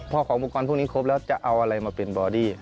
พอของอุปกรณ์พวกนี้ครบแล้วจะเอาอะไรมาเป็นบอดี้